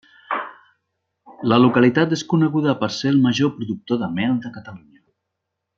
La localitat és coneguda per ser el major productor de mel de Catalunya.